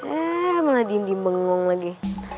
ya malah dindim bengong lagi